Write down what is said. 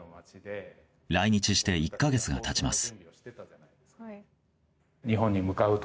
来日して１か月が経ちます。